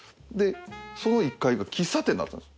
その１階が喫茶店だったんです。